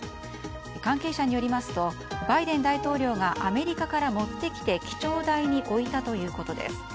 関係者によりますとバイデン大統領がアメリカから持ってきて記帳台に置いたということです。